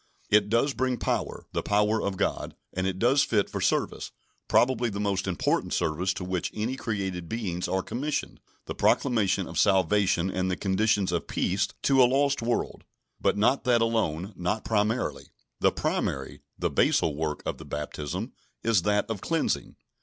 It does bring power the power of God, and it does fit for service, probably the most important service to which any created beings are commissioned, the proclamation of salvation and the conditions of peace to a lost world; but not that alone, nor primarily. The primary, the basal work of the baptism, is that of cleansing.